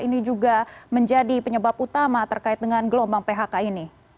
ini juga menjadi penyebab utama terkait dengan gelombang phk ini